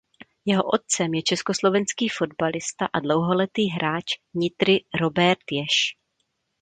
Jeho otcem je československý fotbalista a dlouholetý hráč Nitry Róbert Jež.